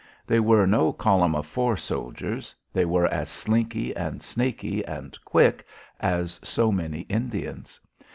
They were no column o' four soldiers; they were as slinky and snaky and quick as so many Indians.